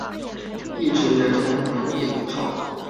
一直觉得文笔不错